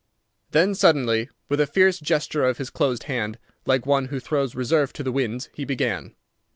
Then suddenly, with a fierce gesture of his closed hand, like one who throws reserve to the winds, he began.